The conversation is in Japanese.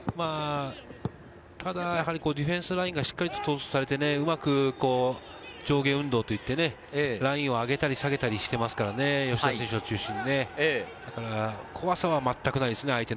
ただディフェンスラインがしっかり統率されて、うまく上下運動といってね、ラインを上げたり下げたりしていますからね、吉田選手を中心に。